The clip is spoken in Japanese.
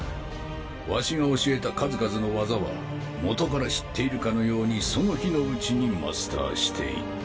ワシが教えた数々の技は元から知っているかのようにその日のうちにマスターしていった。